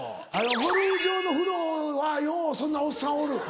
ゴルフ場の風呂はようそんなおっさんおる。